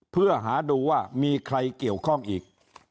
เพื่อหาดูว่ามีใครเกี่ยวข้องอีก